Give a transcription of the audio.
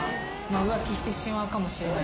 浮気してしまうかもしれない。